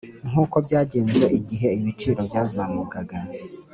Nk’ uko byagenze igihe ibiciro byazamukaga